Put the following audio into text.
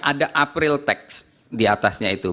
ada april text di atasnya itu